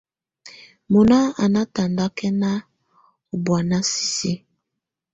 Mɔna á nà tataŋkɛna ɔ̀ bɔ̀ána sisi.